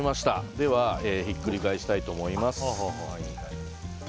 ではひっくり返したいと思います。